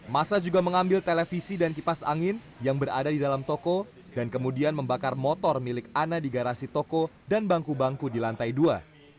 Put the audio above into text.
masa juga mengambil televisi dan kipas angin yang berada di dalam toko dan kemudian membakar motor milik ana di garasi toko dan bangku bangku di lantai dua